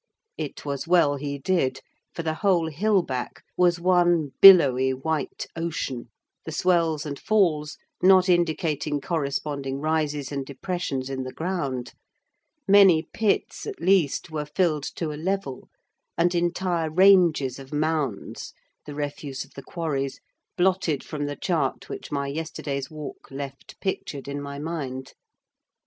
It was well he did, for the whole hill back was one billowy, white ocean; the swells and falls not indicating corresponding rises and depressions in the ground: many pits, at least, were filled to a level; and entire ranges of mounds, the refuse of the quarries, blotted from the chart which my yesterday's walk left pictured in my mind.